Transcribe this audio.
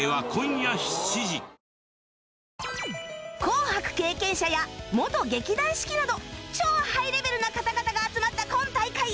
『紅白』経験者や元劇団四季など超ハイレベルな方々が集まった今大会